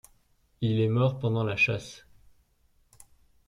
Il est mort pendant la chasse.